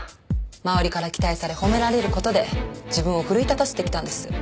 周りから期待され褒められる事で自分を奮い立たせてきたんです。